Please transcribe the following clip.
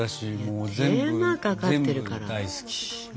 手間がかかってるから。